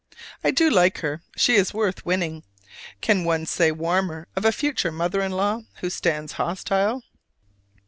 I do like her: she is worth winning. Can one say warmer of a future mother in law who stands hostile?